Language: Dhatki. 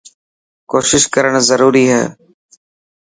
ڪوشش ڪرڻ ضروري هي.